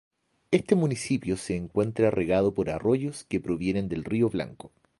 Este municipio se encuentra regado por arroyos que provienen del Río Blanco.